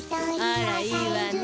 あらいいわね。